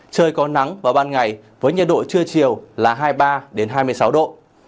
trời có nắng vào ban ngày với nhiệt độ trưa chiều là hai mươi ba hai mươi sáu độ